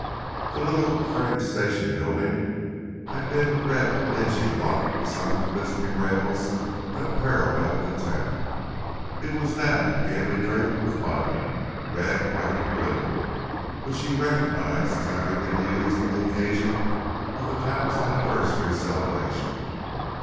The little, frame station building had been a red, dingy blot beside the glistening rails that paralleled the town. It was now gaily draped with bunting—red, white, and blue—which he recognized as having been used on the occasion of the town's anniversary celebration.